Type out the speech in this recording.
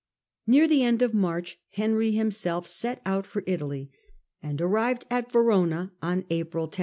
Near the end of March Henry himself set out for Italy, and arrived at Verona on April 10.